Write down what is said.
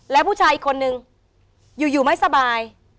แล้วผู้ชายอีกคนนึงอยู่ไม่สบาย